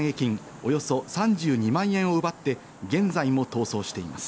およそ３２万円を奪って現在も逃走しています。